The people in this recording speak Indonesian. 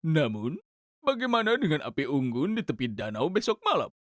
namun bagaimana dengan api unggun di tepi danau besok malam